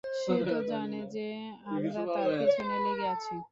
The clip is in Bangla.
সে তো জানে যে আমরা তার পিছনে লেগে আছি।